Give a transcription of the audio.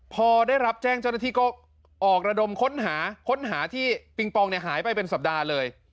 พอได้รับแจ้งเจ้าหน้าที่ก็ออกระดมค้นหาค้นหาที่ปิงปองเนี่ยหายไปเป็นสัปดาห์เลย